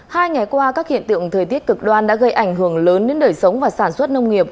hai ngày qua các hiện tượng thời tiết cực đoan đã gây ảnh hưởng lớn đến đời sống và sản xuất nông nghiệp